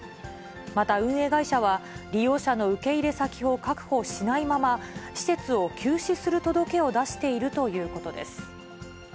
また、運営会社は利用者の受け入れ先を確保しないまま、施設を休止する届けを出しているということです。